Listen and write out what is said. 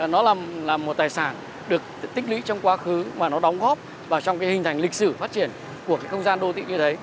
nó là một tài sản được tích lũy trong quá khứ mà nó đóng góp vào trong cái hình thành lịch sử phát triển của cái không gian đô thị như đấy